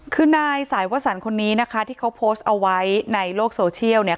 คือนายสายวสันคนนี้นะคะที่เขาโพสต์เอาไว้ในโลกโซเชียลเนี่ย